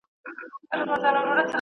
دوی به روان وو .